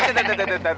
eh bentar bentar bentar